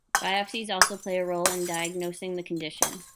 Biopsies also play a role in diagnosing the condition.